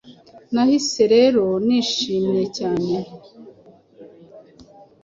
Nahise rero nishimye cyane.